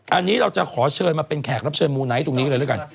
อันนี้เราจะขอเชิญมาเป็นแขกรับเชิญมูไนท์ตรงนี้เลยด้วยกัน